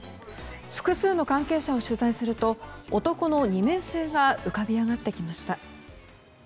複数の関係者を取材すると男の二面性が浮かび上がってきました。